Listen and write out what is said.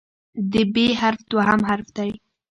د "ب" حرف دوهم حرف دی.